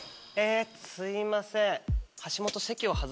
すいません。